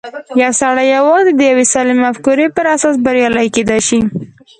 يو سړی يوازې د يوې سالمې مفکورې پر اساس بريالی کېدای شي.